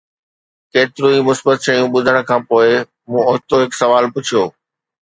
ڪيتريون ئي مثبت شيون ٻڌڻ کان پوء، مون اوچتو هڪ سوال پڇيو